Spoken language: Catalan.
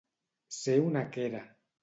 Ser una quera.